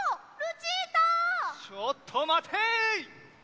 ちょっとまてい！